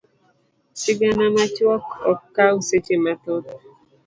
Sigana machuok ok kaw seche mathoth.